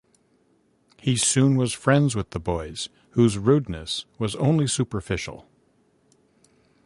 He soon was friends with the boys, whose rudeness was only superficial.